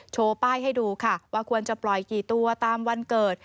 โชว์ป้ายให้ดูค่ะว่าควรจะปล่อยกี่ตัวตามวันเกิด